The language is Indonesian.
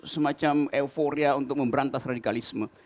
semacam euforia untuk memberantas radikalisme